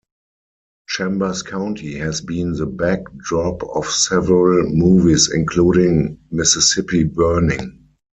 Chambers County has been the back drop of several movies including Mississippi Burning.